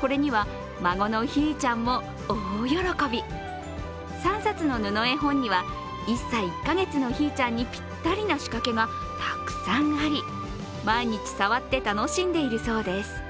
これには、孫のひーちゃんも大喜び３冊の布絵本には、１歳１か月のひーちゃんにぴったりな仕掛けがたくさんあり毎日触って楽しんでいるそうです。